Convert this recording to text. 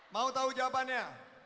mau tahu jawabannya